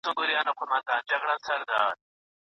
د واسکټونو دوکانونه ښيي